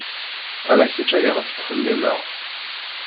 Ala kečč ayɣef ttxemmimeɣ.